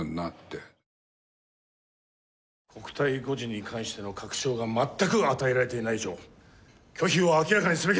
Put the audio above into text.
国体の護持に関しての確証がまったく与えられていない以上拒否を明らかにすべきです。